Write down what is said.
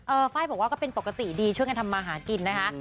ไฟล์บอกว่าก็เป็นปกติดีช่วยกันทำมาหากินนะคะ